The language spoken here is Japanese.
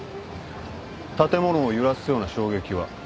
建物を揺らすような衝撃は？